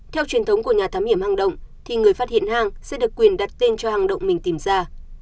theo truyền thống của nhà thám hiểm hang động thì người phát hiện hang sẽ được quyền đặt tên cho hang động mình tìm ra